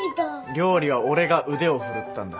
料理は俺が腕を振るったんだ。